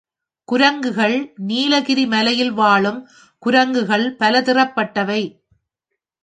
குரங்குகள் நீலகிரி மலையில் வாழும் குரங்குகள் பலதிறப்பட்டவை.